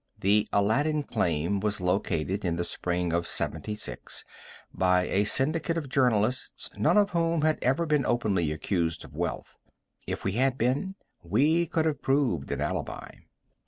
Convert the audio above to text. The Aladdin claim was located in the spring of '76 by a syndicate of journalists, none of whom had ever been openly accused of wealth. If we had been, we could have proved an alibi.